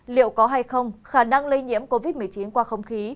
liệu có hay không khả năng lây nhiễm covid một mươi chín qua không khí